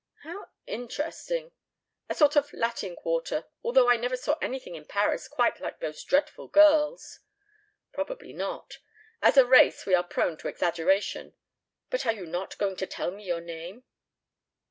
"How interesting. A sort of Latin Quarter, although I never saw anything in Paris quite like those dreadful girls." "Probably not. As a race we are prone to exaggerations. But are you not going to tell me your name?"